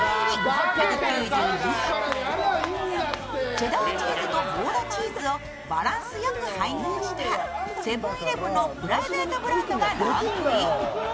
チェダーチーズとゴーダチーズをバランスよく配合したセブン−イレブンのプライベートブランドがランクイン。